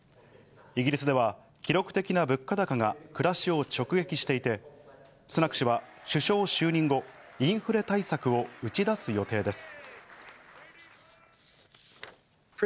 イギリスでは記録的な物価高が暮らしを直撃していて、スナク氏は首相就任後、インフレ対策を打ち出す予定です。